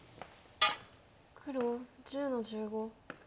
黒１０の十五。